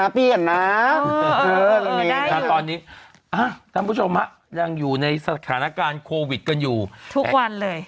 ละนี้ข้างต่อนี้แล้วคุณผู้ชมรังอยู่ในสถานการณ์โควิดกันอยู่ทุกวันเลย